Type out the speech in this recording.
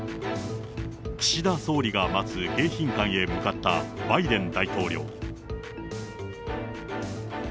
岸田総理が待つ迎賓館に向かったバイデン大統領。